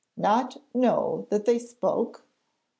'Not know that they spoke?